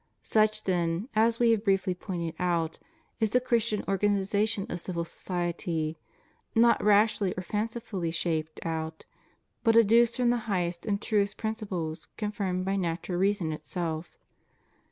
Such then, as We have briefly pointed out, is the Chris tian organization of civil society; not rashly or fancifully shaped out, but educed from the highest and truest prin ciples, confirmed by natural reason itself.